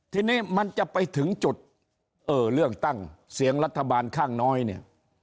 ทีนี้มันจะไปถึงจุดเออเลือกตั้งเสียงรัฐบาลข้างน้อยเนี่ย